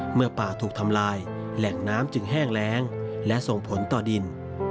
เมื่อป่าถูกทำลายแหล่งน้ำจึงแห้งแรงและส่งผลต่อดิน